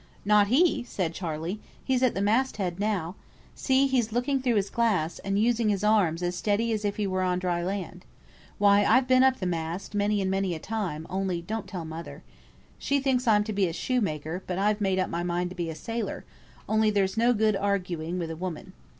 "Not he!" said Charley. "He's at the mast head now. See! he's looking through his glass, and using his arms as steady as if he were on dry land. Why, I've been up the mast, many and many a time; only don't tell mother. She thinks I'm to be a shoemaker, but I've made up my mind to be a sailor; only there's no good arguing with a woman.